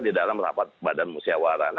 di dalam rapat badan musyawarah